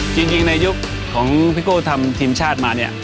จริงในยุคของพี่โก้ทำทีมชาติมาเนี่ย